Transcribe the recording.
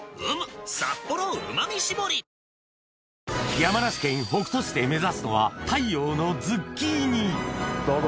山梨県北杜市で目指すのは太陽のズッキーニどうぞ。